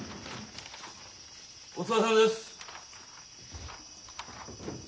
お疲れさまです。